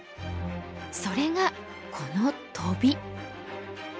それがこのトビ。